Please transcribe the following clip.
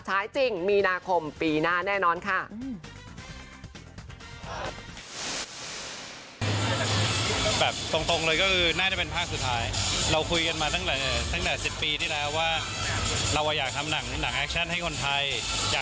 ท้ายจริงมีนาคมปีหน้าแน่นอนค่ะ